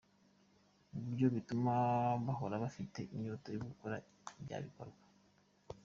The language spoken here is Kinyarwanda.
ku buryo bituma bahora bafite inyota yo gukora bya bikorwa